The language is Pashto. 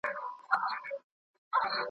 ته باید پوه سې چي تر اوسه کوم کارونه سوي دي.